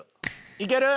いける？